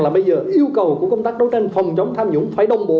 là bây giờ yêu cầu của công tác đấu tranh phòng chống tham nhũng phải đồng bộ